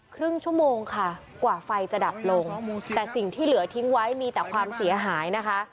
ครึ่งชั่วโมงค่ะกว่าไฟจะดับลงแต่สิ่งที่เหลือทิ้งไว้มีแต่ความเสียหายนะคะ